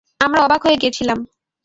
আমরা অবাক হয়ে গেছিলাম।